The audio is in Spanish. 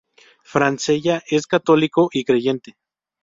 Francella es católico y creyente.